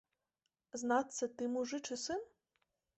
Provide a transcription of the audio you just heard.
Знацца, ты мужычы сын?